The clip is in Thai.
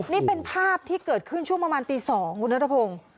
นี่เป็นภาพที่เกิดขึ้นช่วงประมาณตี๒คุณนัทพงศ์